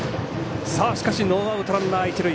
しかしノーアウトランナー、一塁。